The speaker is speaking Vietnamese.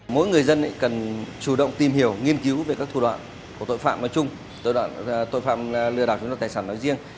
mỗi người dân cần chủ động tìm hiểu nghiên cứu về các thủ đoạn của tội phạm nói chung tội phạm lừa đảo chứng đoạt tài sản nói riêng